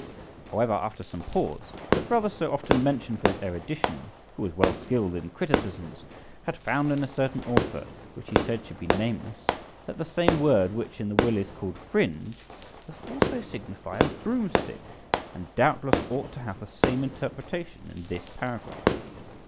However, after some pause, the brother so often mentioned for his erudition, who was well skilled in criticisms, had found in a certain author, which he said should be nameless, that the same word which in the will is called fringe does also signify a broom stick, and doubtless ought to have the same interpretation in this paragraph.